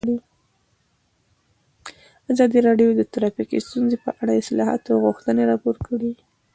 ازادي راډیو د ټرافیکي ستونزې په اړه د اصلاحاتو غوښتنې راپور کړې.